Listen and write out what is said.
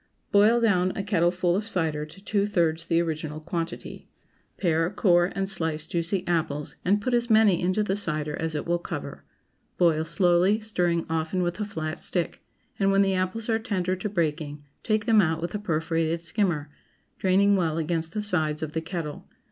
Boil down a kettleful of cider to two thirds the original quantity. Pare, core, and slice juicy apples, and put as many into the cider as it will cover. Boil slowly, stirring often with a flat stick, and when the apples are tender to breaking, take them out with a perforated skimmer, draining well against the sides of the kettle.